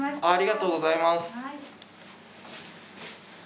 ありがとうございます。